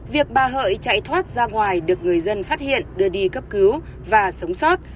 việc bà hợi chạy thoát ra ngoài được người dân phát hiện đưa đi cấp cứu và sống sót